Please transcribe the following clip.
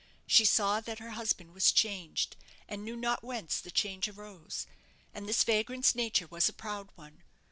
She saw that her husband was changed, and knew not whence the change arose. And this vagrant's nature was a proud one.